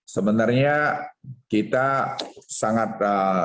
sebenarnya kita sangat